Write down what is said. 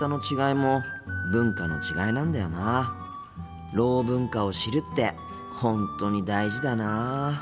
ろう文化を知るって本当に大事だなあ。